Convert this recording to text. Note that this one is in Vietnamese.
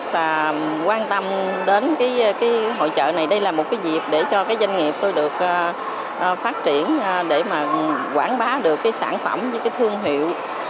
và quan tâm đến hội trợ này đây là một dịp để cho doanh nghiệp tôi được phát triển để quảng bá được sản phẩm với thương hiệu